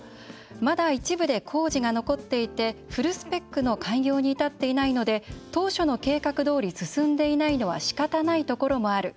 まだ一部で工事が残っていてフルスペックの開業に至ってないので当初の計画どおり進んでいないのはしかたないところもある。